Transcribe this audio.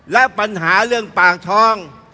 และปัญหาเรื่องปากท้อง